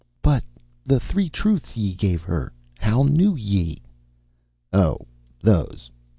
"But ... the three truths ye gave her ... how knew ye...?" "Oh, those.